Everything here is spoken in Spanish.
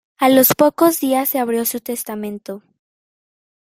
A los pocos días, se abrió su testamento.